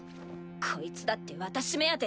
こいつだって私目当てで。